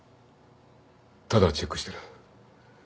ただチェックしてる。